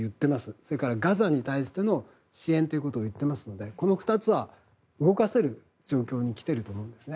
それからガザに対しての支援を言ってますのでこの２つは動かせる状況に来ていると思いますね。